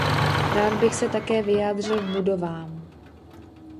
Rád bych se také vyjádřil k budovám.